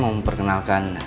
dan bu im perkenalkan